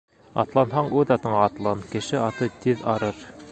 Атланһаң үҙ атыңа атлан, кеше аты тиҙ арыр.